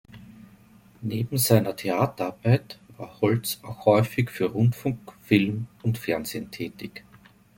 Neben seiner Theaterarbeit war Holtz auch häufig für Rundfunk, Film und Fernsehen tätig.